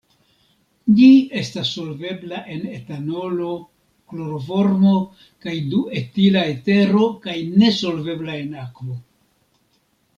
Ĝi estas solvebla en etanolo, kloroformo kaj duetila etero kaj ne solvebla en akvo.